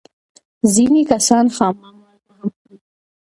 ځینې کسان خامه مالګه هم خوري.